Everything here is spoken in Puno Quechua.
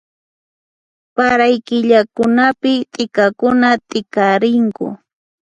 Paray killakunapi t'ikakuna t'ikarinku